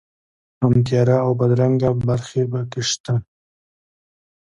هم تیاره او بدرنګه برخې په کې شته.